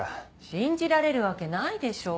信じられるわけないでしょ？